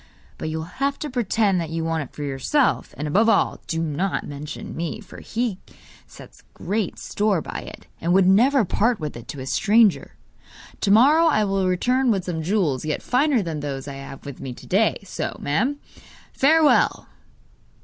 But you will have to pretend that you want it for yourself; and, above all, do not mention me, for he sets great store by it, and would never part with it to a stranger! To morrow I will return with some jewels yet finer than those I have with me to day. So, madam, farewell!